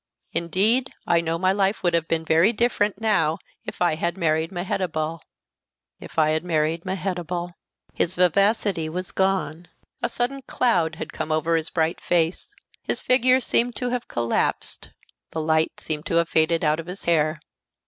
Indeed, I know my life would have been very different now if I had married Mehetabel if I had married Mehetabel." His vivacity was gone, a sudden cloud had come over his bright face, his figure seemed to have collapsed, the light seemed to have faded out of his hair.